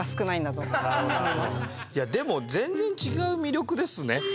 いやでも全然違う魅力ですね。